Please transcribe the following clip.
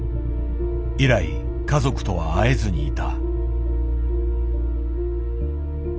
以来家族とは会えずにいた。